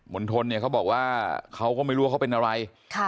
ณฑลเนี่ยเขาบอกว่าเขาก็ไม่รู้ว่าเขาเป็นอะไร